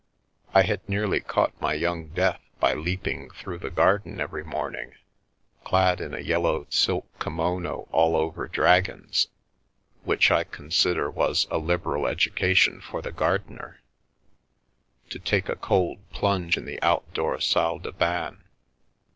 I had nearly caught my young death by leaping through the garden every morning (clad in a yellow silk kimono all over dragons, which I consider was a liberal education for the gardener), to take a cold plunge in the outdoor salle de bain.